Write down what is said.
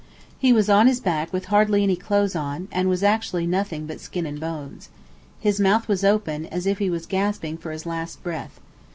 He was on his back with hardly any clothes on, and was actually nothing but skin and bones. His mouth was open, as if he was gasping for his last breath.